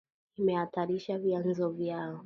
Imehatarisha vyanzo vyao